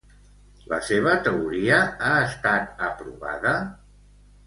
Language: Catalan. La seva teoria ha estat aprovada?